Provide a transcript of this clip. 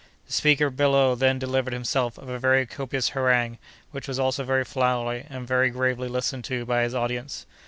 The speaker below then delivered himself of a very copious harangue, which was also very flowery and very gravely listened to by his audience.